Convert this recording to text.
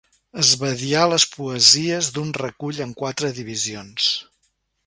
Esbadiar les poesies d'un recull en quatre divisions.